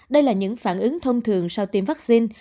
đây là những phản ứng thông thường sau tiêm vaccine